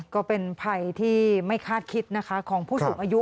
ก็เป็นภัยที่ไม่คาดคิดนะคะของผู้สูงอายุ